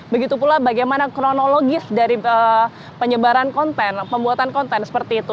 begitu pula bagaimana kronologis dari penyebaran konten pembuatan konten seperti itu